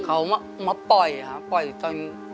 เขามาปล่อยครับปล่อยตอน